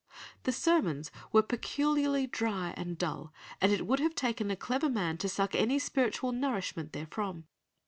The sermons were peculiarly dry and dull, and it would have taken a clever man to suck any spiritual nourishment therefrom.